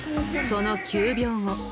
その９秒後。